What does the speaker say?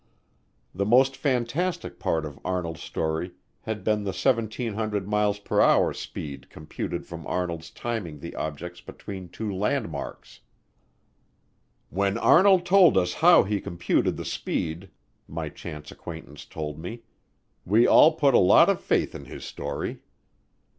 The most fantastic part of Arnold's story had been the 1,700 miles per hour speed computed from Arnold's timing the objects between two landmarks. "When Arnold told us how he computed the speed," my chance acquaintance told me, "we all put a lot of faith in his story."